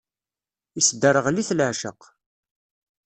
Isderɣel-it leεceq.